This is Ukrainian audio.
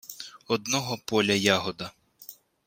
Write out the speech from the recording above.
Одного поля ягода.